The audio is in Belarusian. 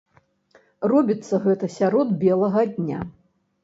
Робіцца гэта сярод белага дня.